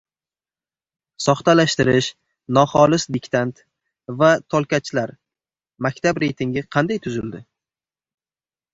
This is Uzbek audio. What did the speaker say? Soxtalashtirish, noxolis diktant va «tolkachlar» — maktablar reytingi qanday tuzildi?